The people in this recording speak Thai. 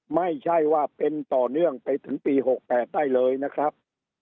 ไม่ใช่ว่าเป็นต่อเนื่องไปถึงปี๖๘ได้เลยนะครับ